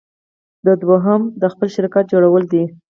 دوهم د خپل شرکت جوړول دي.